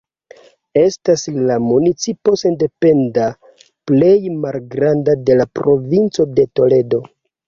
Estas la municipo sendependa plej malgranda de la provinco de Toledo.